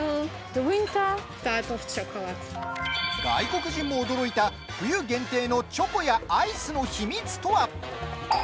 外国人も驚いた、冬限定のチョコやアイスの秘密とは？